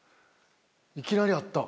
いきなりあった。